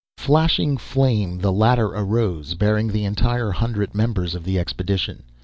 Flashing flame, the latter arose, bearing the entire hundred members of the expedition.